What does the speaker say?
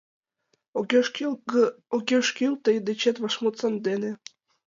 Огеш кӱл тый дечет вашмут сандене.